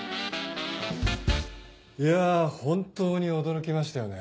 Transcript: いや本当に驚きましたよね。